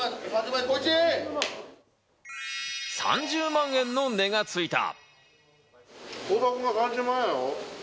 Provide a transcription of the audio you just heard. ３０万円の値がついた。